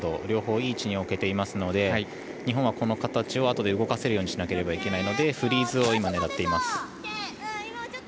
両方いい位置に置けていますので日本はこの形をあとで動かせる形にしなければいけないのでフリーズを狙います。